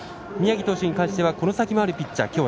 宮城投手に関してはこの先もあるピッチャー。